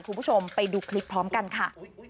คุณผู้ชมไปดูคลิปพร้อมกันค่ะ